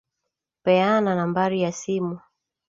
Peana nambari ya simu.